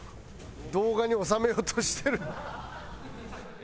動画に収めようとしてる。